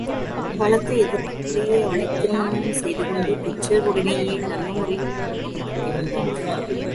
பலத்த எதிர்ப்புக்கிடையே அவளைத் திருமணமும் செய்துகொண்டு, பெற்றோருடனேயே நல்ல முறையில் குடும்பம் நடத்திவந்தான்.